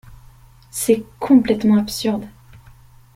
C’est complètement absurde.